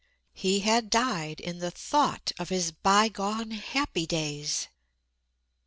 He had died in the thought of his bygone happy days.